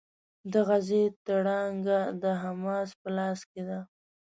د غزې تړانګه د حماس په لاس کې ده.